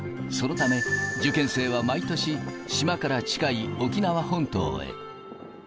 そのため、受験生は毎年、島から近い沖縄本島へ。